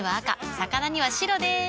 魚には白でーす。